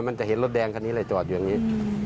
มันจะเห็นรถแดงคันนี้เลยจอดอยู่อย่างนี้